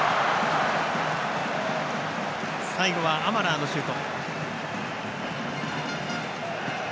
最後はアマラーのシュート。